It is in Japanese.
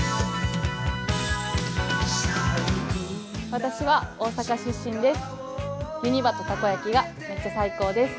私は大阪出身です。